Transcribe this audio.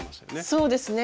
そうですね。